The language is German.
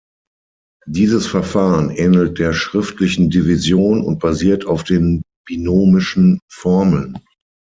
Dieses Verfahren ähnelt der schriftlichen Division und basiert auf den binomischen Formeln.